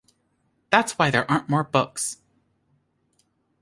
That's why there aren't more books.